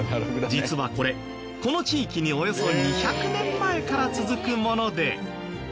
実はこれこの地域におよそ２００年前から続くもので。